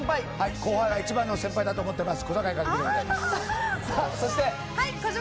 後輩が一番の先輩だと思っております。